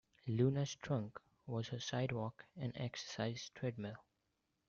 Luna's trunk was her sidewalk and exercise treadmill.